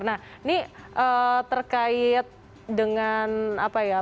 nah ini terkait dengan apa ya